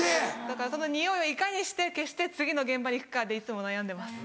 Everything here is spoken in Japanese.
だからその匂いをいかにして消して次の現場に行くかでいつも悩んでます。